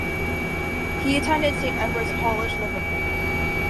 He attended Saint Edward's College, Liverpool.